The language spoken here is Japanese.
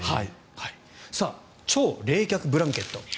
超冷却ブランケット。